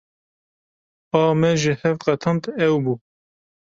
A me ji hev qetand ew bû.